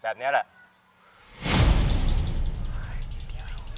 แบบนี้แหละ